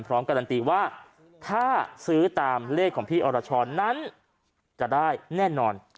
การันตีว่าถ้าซื้อตามเลขของพี่อรชรนั้นจะได้แน่นอน